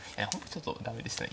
ちょっと駄目でしたね。